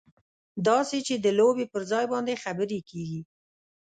داسې چې د لوبې پر ځای باندې خبرې کېږي.